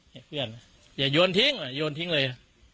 ฮ่ยเดี๋ยวโยนทิ้งโยนทิ้งเลย